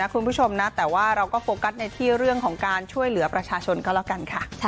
คือเราป้องกันไว้ทั้ง๒ฝ่าย